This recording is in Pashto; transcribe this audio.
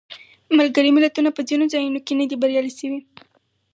ملګري ملتونه په ځینو ځایونو کې نه دي بریالي شوي.